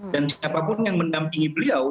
dan siapapun yang mendampingi beliau